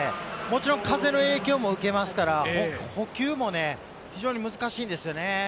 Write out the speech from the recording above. もちろん風の影響も受けますから、捕球もね非常に難しいですよね。